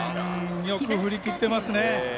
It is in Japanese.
よく振りきってますね。